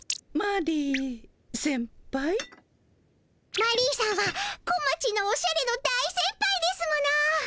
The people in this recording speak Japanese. マリーさんはこまちのおしゃれの大先輩ですもの。